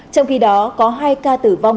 trong khi đó có hai ca tử vong